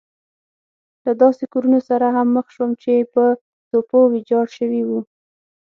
له داسې کورونو سره هم مخ شوم چې په توپو ويجاړ شوي وو.